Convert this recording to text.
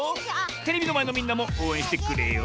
テレビのまえのみんなもおうえんしてくれよ